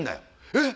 えっ？